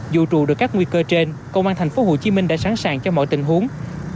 dù trù được các nguy cơ trên công an tp hcm đã sẵn sàng cho mọi tình huống